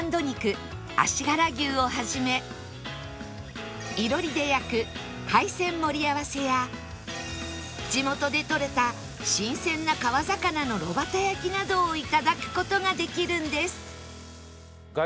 足柄牛をはじめ囲炉裏で焼く海鮮盛り合わせや地元でとれた新鮮な川魚の炉端焼きなどをいただく事ができるんです